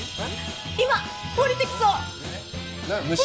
今おりてきそう虫？